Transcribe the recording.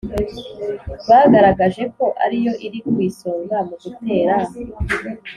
bagaragaje ko ariyo iri ku isonga mu gutera